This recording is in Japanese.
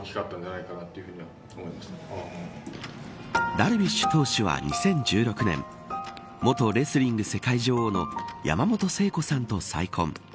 ダルビッシュ投手は２０１６年元レスリング世界女王の山本聖子さんと再婚。